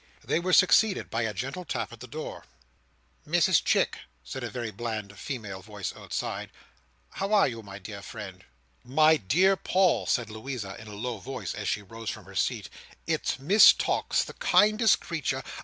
They were succeeded by a gentle tap at the door. "Mrs Chick," said a very bland female voice outside, "how are you now, my dear friend?" "My dear Paul," said Louisa in a low voice, as she rose from her seat, "it's Miss Tox. The kindest creature!